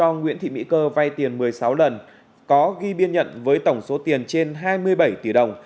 do nguyễn thị mỹ cơ vay tiền một mươi sáu lần có ghi biên nhận với tổng số tiền trên hai mươi bảy tỷ đồng